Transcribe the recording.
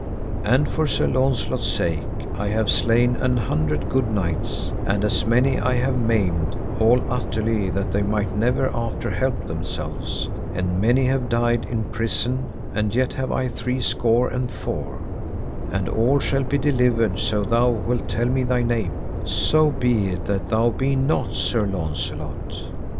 And for Sir Launcelot's sake I have slain an hundred good knights, and as many I have maimed all utterly that they might never after help themselves, and many have died in prison, and yet have I three score and four, and all shall be delivered so thou wilt tell me thy name, so be it that thou be not Sir Launcelot.